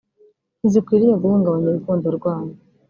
ntizikwiriye guhungabanya urukundo rwanyu